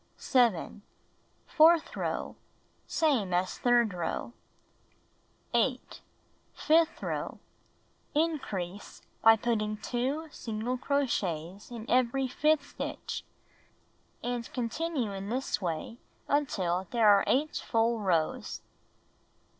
7. Fourth row: Same as third row. 8. Fifth row: In crease, by putting 2 single crochets in every fifth stitch, and con tinue in this way until there are 8 full rows.